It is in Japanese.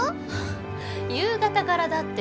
夕方からだって。